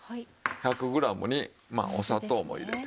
１００グラムにまあお砂糖も入れて。